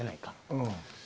うん。